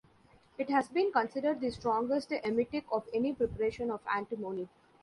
It has been considered the strongest emetic of any preparation of antimony.